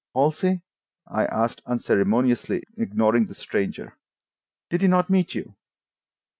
"Halsey?" I asked unceremoniously, ignoring the stranger. "Did he not meet you?"